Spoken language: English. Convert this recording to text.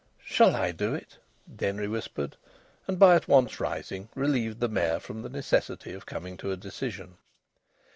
"Shall I do it?" Denry whispered, and by at once rising relieved the Mayor from the necessity of coming to a decision.